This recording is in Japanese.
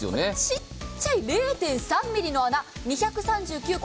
ちっちゃい０．３ｍｍの穴２３９個